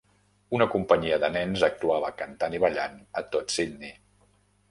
Una companyia de nens actuava cantant i ballant a tot Sydney.